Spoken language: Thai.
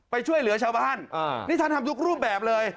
ไปช่วยเหลือชาวบ้านนี่ท่านทำทุกรูปแบบเลย